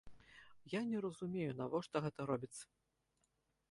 Я не разумею, навошта гэта робіцца.